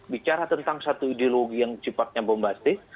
bicara tentang satu ideologi yang cepatnya bombastik